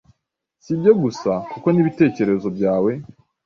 Si ibyo gusa kuko n’ibitekerezo byawe